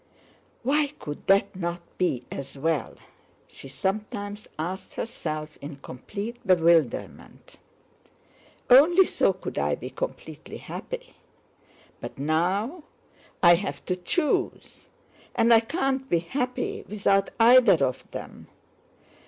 "Why could that not be as well?" she sometimes asked herself in complete bewilderment. "Only so could I be completely happy; but now I have to choose, and I can't be happy without either of them.